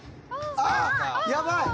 「ああっやばい！」